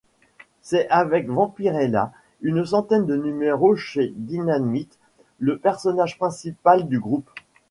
C’est avec Vampirella, une centaine de numéros chez Dynamite, le personnage principal du groupe.